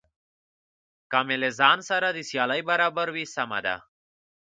که مې له ځان سره د سیالۍ برابر وي سمه ده.